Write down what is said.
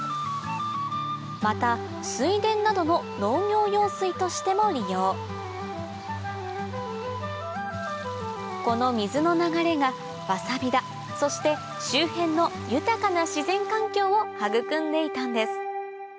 また水田などの農業用水としても利用この水の流れがわさび田そして周辺の豊かな自然環境を育んでいたんです